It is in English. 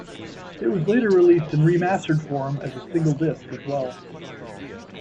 It was later released in remastered form as a single disc as well.